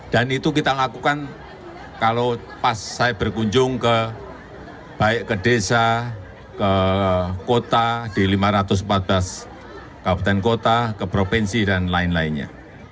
dan itu kita lakukan kalau pas saya berkunjung ke baik ke desa ke kota di lima ratus empat belas kabupaten kota ke provinsi dan lain lainnya